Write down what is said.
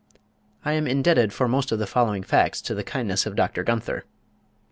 I am indebted for most of the following facts to the kindness of Dr. Gunther.